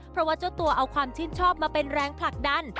เพราะว่าเจ้าตัวเอาความชื่นชอบมาเป็นแรงผลักดัน